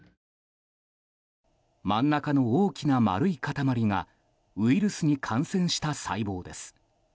真ん中の大きな丸い塊がウイルスに感染した細胞です。